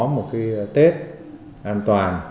một cái tết an toàn